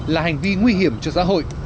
là hành vi nguy hiểm cho xã hội